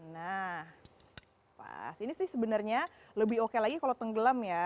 nah pas ini sih sebenarnya lebih oke lagi kalau tenggelam ya